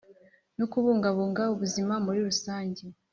no kubungabunga ubuzima muri rusange.